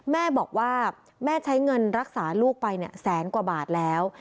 แม่บอกว่าแม่ใช้เงินรักษาลูกไปเนี่ยแสนกว่าบาทแล้ว